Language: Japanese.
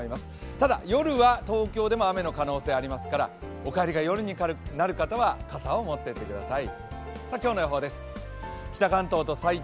ただ、夜は東京でも雨の可能性ありますから、お帰りが夜になる方は、傘を持っていってください。